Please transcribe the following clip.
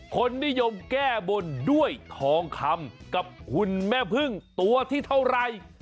คนนิยมแก้บนด้วยทองคำกับหุ่นแม่พึ่งตัวที่เท่าไร